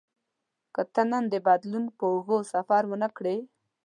که ته نن د بدلون پر اوږو سفر ونه کړې.